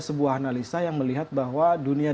sebuah analisa yang melihat bahwa dunia